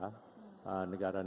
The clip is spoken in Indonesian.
tapi juga dengan negara mitra